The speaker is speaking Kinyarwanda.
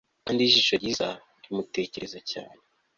kandi ijisho ryiza rimutekereza cyane